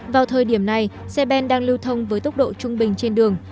vào thời điểm này xe ben đang lưu thông với tốc độ trung bình trên đường